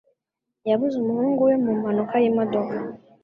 Yabuze umuhungu we mu mpanuka y'imodoka.